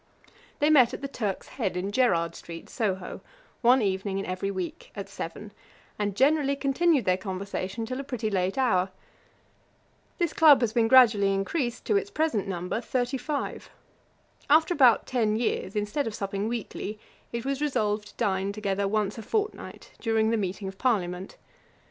They met at the Turk's Head, in Gerrard street, Soho, one evening in every week, at seven, and generally continued their conversation till a pretty late hour. This club has been gradually increased to its present number, thirty five. After about ten years, instead of supping weekly, it was resolved to dine together once a fortnight during the meeting of Parliament.